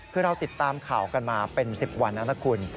คือเราติดตามข่าวกันมาเป็น๑๐วันแล้วนะคุณ